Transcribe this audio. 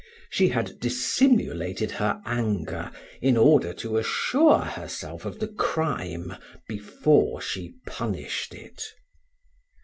She had dissimulated her anger in order to assure herself of the crime before she punished it.